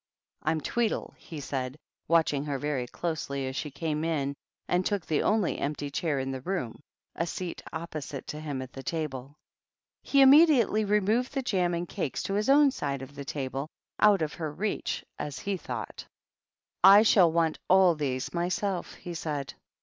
"Fm Tweedle," he said, watching her very closely as she came in and took the only empty chair in the room, a seat opposite to him at the table. He immediately removed the jam and cakes to his own side of the table, out of her reach as he thought. THE TWEEDLE8. "I shall want all these myself," he said.